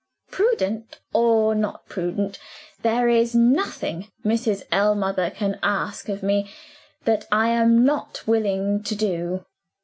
Prudent or not prudent, there is nothing Mrs. Ellmother can ask of me that I am not willing to do.